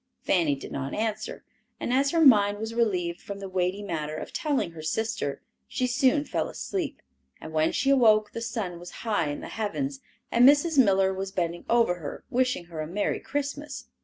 Fanny did not answer, and as her mind was relieved from the weighty matter of telling her sister, she soon fell asleep, and when she awoke the sun was high in the heavens, and Mrs. Miller was bending over her, wishing her a "Merry Christmas!"